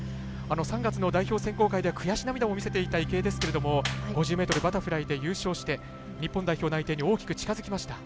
３月の代表選考会では悔し涙も見せていた池江ですけど５０ｍバタフライで優勝して日本代表内定まで大きく近づきました。